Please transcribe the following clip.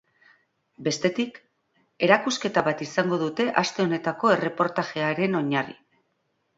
Bestetik, erakusketa bat izango dute aste honetako erreportajearen oinarri.